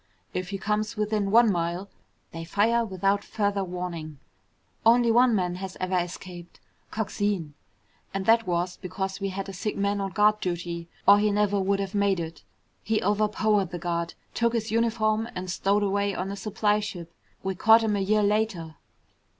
If he comes within one mile, they fire without further warning. Only one man has ever escaped. Coxine. And that was because we had a sick man on guard duty, or he never would have made it. He overpowered the guard, took his uniform, and stowed away on a supply ship. We caught him a year later."